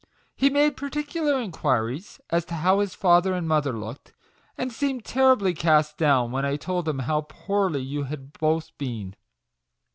He made particular inquiries as to how his father and mother looked, and seemed terribly cast 38 MAGIC WORDS. down when I told him how poorly you had both been."